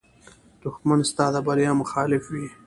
دښمن ستا د بریا مخالف وي